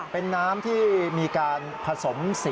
เป็นน้ำที่มีการผสมสี